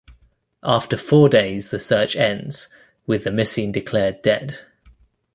After four days the search ends, with the missing declared dead.